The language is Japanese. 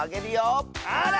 あら！